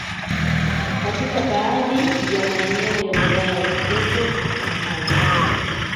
katika baadhi ya maeneo ya Wilaya za Kiteto na Hanang